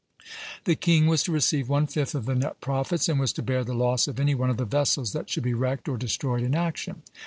The king was to receive one fifth of the net profits, and was to bear the loss of any one of the vessels that should be wrecked, or destroyed in action.